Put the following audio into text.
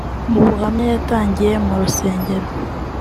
Mu buhamya yatangiye mu rusengero